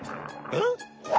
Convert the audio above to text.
えっ！？